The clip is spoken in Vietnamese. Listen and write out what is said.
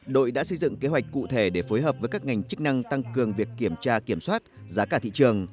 đội đã xây dựng kế hoạch cụ thể để phối hợp với các ngành chức năng tăng cường việc kiểm tra kiểm soát giá cả thị trường